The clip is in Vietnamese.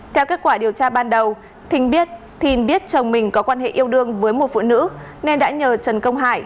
theo kết quả điều tra ban đầu thình biết thìn biết chồng mình có quan hệ yêu đương với một phụ nữ nên đã nhờ trần công hải